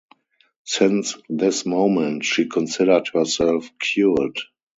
Since this moment she considered herself "cured".